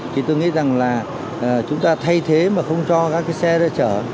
thì tôi nghĩ rằng là chúng ta thay thế mà không cho các cái xe chở